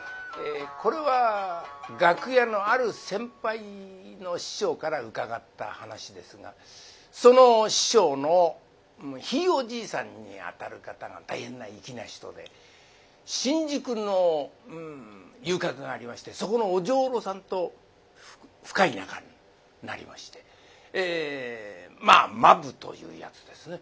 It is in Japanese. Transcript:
これは楽屋のある先輩の師匠から伺った話ですがその師匠のひいおじいさんにあたる方が大変な粋な人で新宿の遊郭がありましてそこのお女郎さんと深い仲になりましてまあ間夫というやつですね。